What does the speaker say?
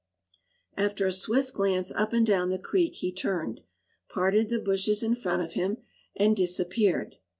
After a swift glance up and down the creek he turned, parted the bushes in front of him, and disappeared.